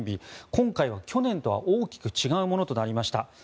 今回は去年とは大きく違うものとなりました。